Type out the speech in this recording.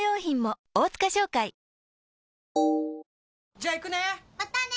じゃあ行くね！